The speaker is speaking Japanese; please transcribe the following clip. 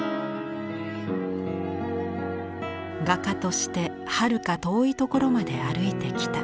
画家としてはるか遠い所まで歩いてきた。